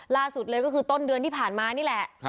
ล่าสุดเลยก็คือต้นเดือนที่ผ่านมานี่แหละ